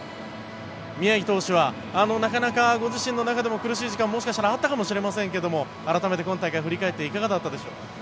宮城投手はなかなかご自身の中でも苦しい時間がもしかしたらあったかもしれませんが改めて今大会振り返っていかがだったでしょう？